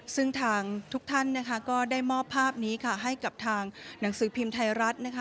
ซึ่งทางทุกท่านนะคะก็ได้มอบภาพนี้ค่ะให้กับทางหนังสือพิมพ์ไทยรัฐนะคะ